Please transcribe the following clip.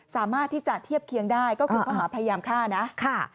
สามารถที่จะเทียบเคียงได้ก็คือข้อหาพยายามฆ่านะ